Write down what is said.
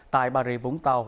tại bà rịa vũng tàu